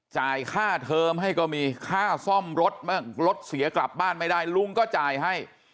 จ่ายค่าเทอมให้ก็มีค่าซ่อมรถบ้างรถเสียกลับบ้านไม่ได้ลุงก็จ่ายให้